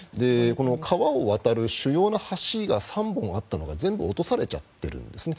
川を渡る主要な橋が３本あったのが全部落とされちゃってるんですね